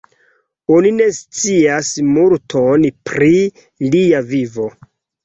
Oni ne scias multon pri lia vivo.